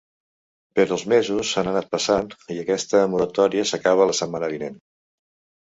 Però els mesos han anat passant i aquesta moratòria s’acaba la setmana vinent.